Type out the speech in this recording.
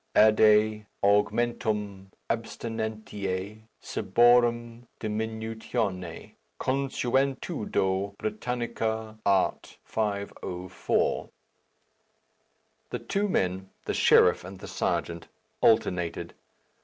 "Adde augmentum abstinentiæ ciborum diminutione. Consuetudo brittanica, art. 504." The two men, the sheriff and the serjeant, alternated.